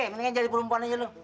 mendingan jadi perempuan aja dulu